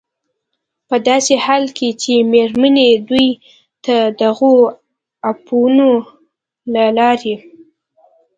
په داسې حال کې چې مېرمنې دوی ته د دغو اپونو له لارې